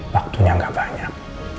waktunya gak banyak